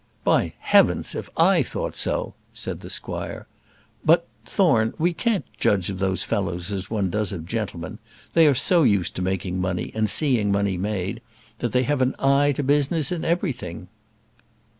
"By heavens! If I thought so," said the squire "but, Thorne, we can't judge of those fellows as one does of gentlemen; they are so used to making money, and seeing money made, that they have an eye to business in everything."